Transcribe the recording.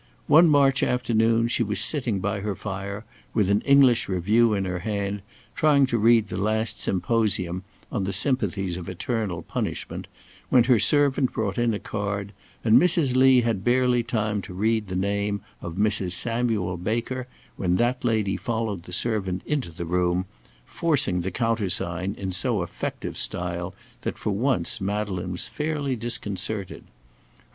One March afternoon she was sitting by her fire, with an English Review in her hand, trying to read the last Symposium on the sympathies of Eternal Punishment, when her servant brought in a card, and Mrs. Lee had barely time to read the name of Mrs. Samuel Baker when that lady followed the servant into the room, forcing the countersign in so effective style that for once Madeleine was fairly disconcerted.